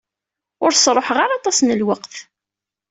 Ur sruḥeɣ ara aṭas n lweqt.